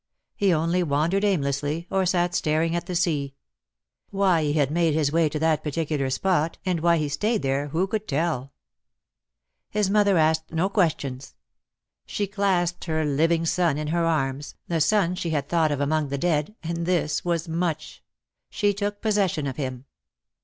He only wandered aimlessly, or sat staring at the sea. Why he had made his way to that particular spot and why he stayed there who could tell? His mother asked no questions. She clasped QO DEAD LOVE HAS CHAINS. her living son in her arms, the son she had thought of among the dead, and this was much. She took possession of him.